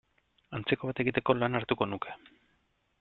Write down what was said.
Antzeko bat egiteko lana hartuko nuke.